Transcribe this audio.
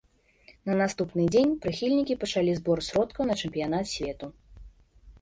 На наступны дзень прыхільнікі пачалі збор сродкаў на чэмпіянат свету.